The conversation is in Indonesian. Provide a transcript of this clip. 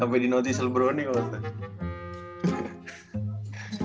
sampe di notice lebron nih waktu itu